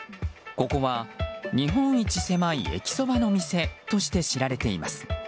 ここは日本一狭い駅そばの店として知られています。